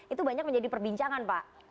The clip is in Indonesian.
itu banyak menjadi perbincangan pak